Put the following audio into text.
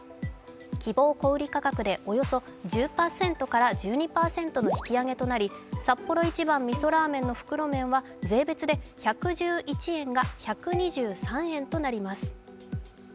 希望小売価格でおよそ１０％から１２％の引き上げとなりサッポロ一番みそラーメンの袋麺は税別で１１１円が１２３円となります。